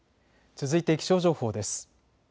続いて気象情報です。